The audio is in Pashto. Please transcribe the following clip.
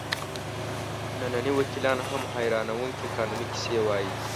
ننني وکیلان هم حیرانوونکې قانوني کیسې وایي.